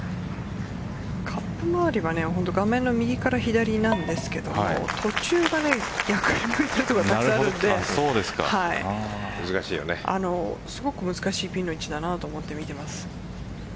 カップ周りは画面の右から左なんですけども途中が逆にいってるところたくさんあるのですごく難しいピンの位置だなと思って見ています。